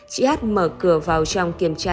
chị hát mở cửa vào trong kiểm tra